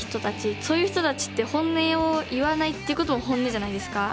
そういう人たちって本音を言わないっていうことも本音じゃないですか。